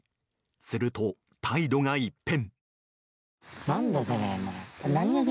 すると、態度が一変。